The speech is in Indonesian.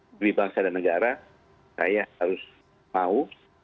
demi bangsa dan negara saya harus mau